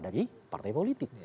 dari partai politik